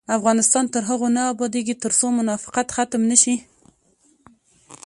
افغانستان تر هغو نه ابادیږي، ترڅو منافقت ختم نشي.